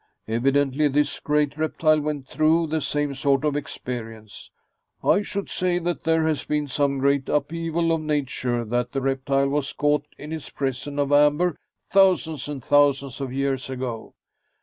Evidently this great reptile went through the same sort of experience. I would say that there has been some great upheaval of nature, that the reptile was caught in its prison of amber thousands and thousands of years ago.